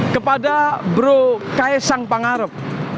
kepada bro kaesang pangarep